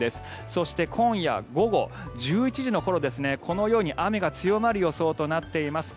そして今夜午後１１時の頃このように雨が強まる予想となっています。